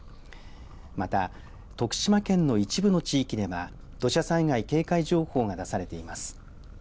また徳島県の一部の地域では土砂災害警戒情報が出されています。